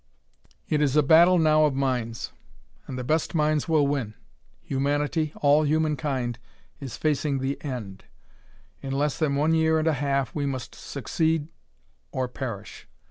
"It is a battle now of minds, and the best minds will win. Humanity all humankind is facing the end. In less than one year and a half we must succeed or perish.